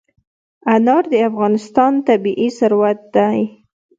انار د افغانستان طبعي ثروت دی.